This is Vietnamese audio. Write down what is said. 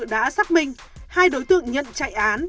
đã xác minh hai đối tượng nhận chạy án